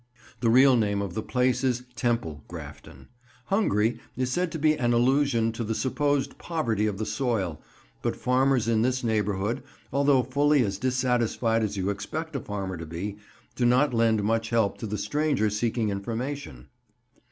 The real name of the place is Temple Grafton. "Hungry" is said to be an allusion to a supposed poverty of the soil, but farmers of this neighbourhood, although fully as dissatisfied as you expect a farmer to be, do not lend much help to the stranger seeking information.